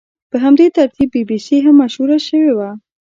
په همدې ترتیب بي بي سي هم مشهوره شوې وه.